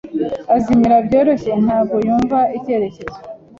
Azimira byoroshye. Ntabwo yumva icyerekezo.